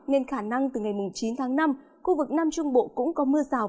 nên khả năng từ ngày chín tháng năm khu vực nam trung bộ cũng có mưa rào